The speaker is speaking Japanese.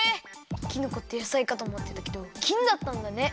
きのこって野菜かとおもってたけどきんだったんだね。